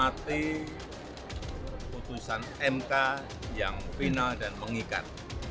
dan juga untuk pemerintah yang menghormati putusan mk yang final dan mengikat